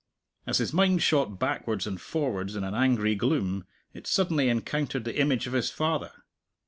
As his mind shot backwards and forwards in an angry gloom, it suddenly encountered the image of his father.